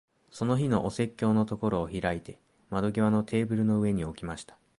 その日のお説教のところを開いて、窓際のテーブルの上に置きました。